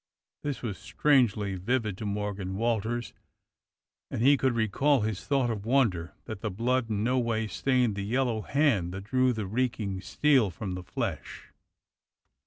This was strangely vivid to Morgan Walters, and he could recall his thought of wonder that the blood in no way stained the yellow hand that drew the reeking steel from the flesh.